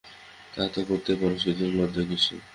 তা-তো করিতেই পারে, সেজন্য লজ্জা কিসের।